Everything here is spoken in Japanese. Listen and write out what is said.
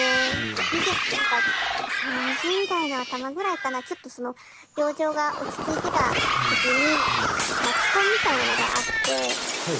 以前何か３０代のあたまぐらいかなちょっとその病状が落ち着いてた時に街コンみたいなのがあって。